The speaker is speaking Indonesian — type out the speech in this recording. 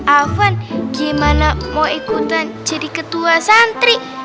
aven gimana mau ikutan jadi ketua santri